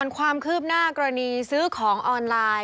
ความคืบหน้ากรณีซื้อของออนไลน์